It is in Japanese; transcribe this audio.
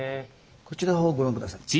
こちらをご覧下さい。